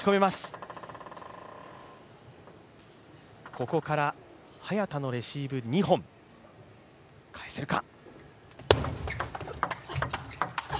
ここから早田のレシーブ２本、返せるか。